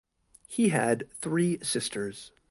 He had three sisters.